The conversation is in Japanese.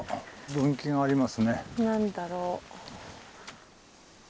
何だろう？